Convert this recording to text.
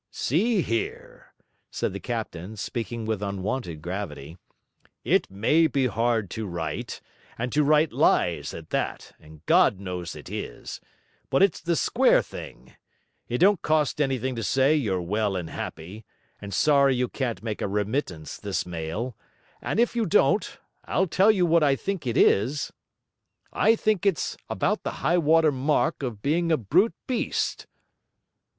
'See here,' said the captain, speaking with unwonted gravity; 'it may be hard to write, and to write lies at that; and God knows it is; but it's the square thing. It don't cost anything to say you're well and happy, and sorry you can't make a remittance this mail; and if you don't, I'll tell you what I think it is I think it's about the high water mark of being a brute beast.'